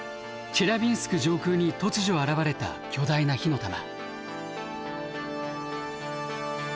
チェリャビンスク上空に突如現れた巨大な火の玉。